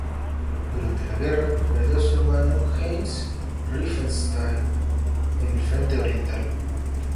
Durante la guerra, perdió a su hermano Heinz Riefenstahl en el frente oriental.